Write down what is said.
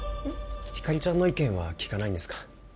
ひかりちゃんの意見は聞かないんですか？